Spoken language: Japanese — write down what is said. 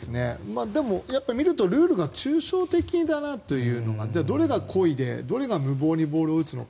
でも、やっぱり見るとルールが抽象的だなというのが。どれが故意でどれが無謀にボールを打つのか。